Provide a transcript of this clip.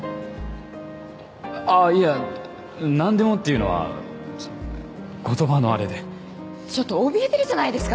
ああーいや「なんでも」っていうのは言葉のあれでちょっとおびえてるじゃないですか